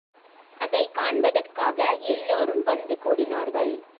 அதைக் காண்பதற்காக எல்லோரும் வந்து கூடினார்கள்.